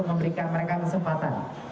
untuk memberikan mereka kesempatan